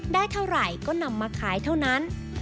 ได้เท่าไหร่ก็นำมาขายเท่านั้น